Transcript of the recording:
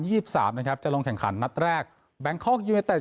สิบสามนะครับจะลงแข่งขันนัดแรกแบงคอกยูเนเต็ด